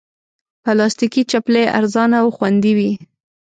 پلاستيکي چپلی ارزانه او خوندې وي.